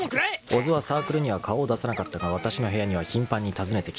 ［小津はサークルには顔を出さなかったがわたしの部屋には頻繁に訪ねてきた］